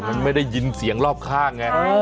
มันไม่ได้ยินเสียงรอบข้างไง